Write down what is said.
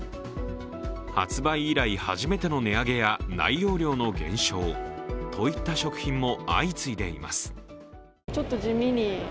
発売以来初めての値上げや内容量の減少といった食品も相次いでいます。